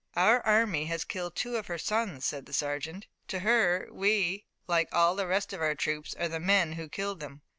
"Our army has killed two of her sons," said the sergeant. "To her we, like all the rest of our troops, are the men who killed them."